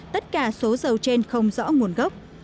tất cả số dầu trên không rõ nguồn gốc